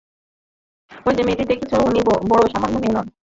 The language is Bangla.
ওই যে মেয়েটি দেখিতেছ, উনি বড়ো সামান্য মেয়ে নন।